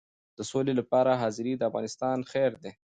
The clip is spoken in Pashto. د سولې لپاره حاضري د افغانستان خیر دی.